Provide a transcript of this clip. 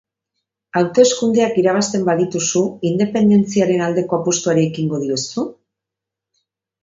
Hauteskundeak irabazten badituzu, independentziaren aldeko apustuari ekingo diozu?